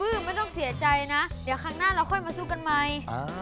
ไม่ต้องเสียใจนะเดี๋ยวครั้งหน้าเราค่อยมาสู้กันใหม่